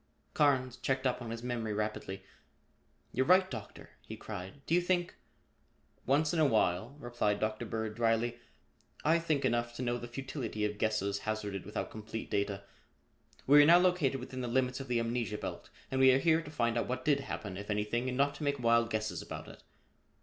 Carnes checked up on his memory rapidly. "You're right, Doctor," he cried. "Do you think ?" "Once in a while," replied Dr. Bird dryly, "I think enough to know the futility of guesses hazarded without complete data. We are now located within the limits of the amnesia belt and we are here to find out what did happen, if anything, and not to make wild guesses about it.